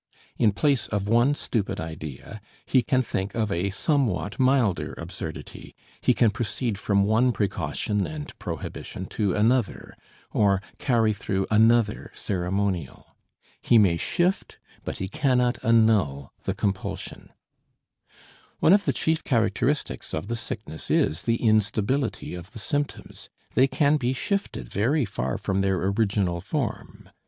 In place of one stupid idea he can think of a somewhat milder absurdity, he can proceed from one precaution and prohibition to another, or carry through another ceremonial. He may shift, but he cannot annul the compulsion. One of the chief characteristics of the sickness is the instability of the symptoms; they can be shifted very far from their original form.